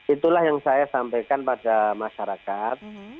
itulah yang saya sampaikan pada masyarakat